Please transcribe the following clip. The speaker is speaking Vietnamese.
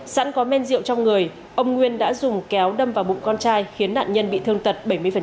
sẵn có men rượu trong người ông nguyên đã dùng kéo đâm vào bụng con trai khiến nạn nhân bị thương tật bảy mươi